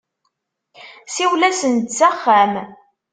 Siwel-asen-d s axxam.